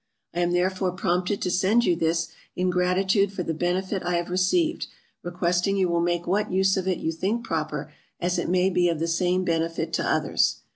I am therefore prompted to send you this, in gratitude for the benefit I have received, requesting you will make what use of it you think proper, as it may be of the same benefit to others.